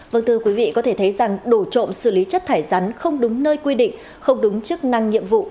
vâng thưa quý vị có thể thấy rằng đổ trộm xử lý chất thải rắn không đúng nơi quy định không đúng chức năng nhiệm vụ